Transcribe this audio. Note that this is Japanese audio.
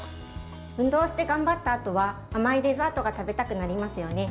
運動して頑張ったあとは甘いデザートが食べたくなりますよね。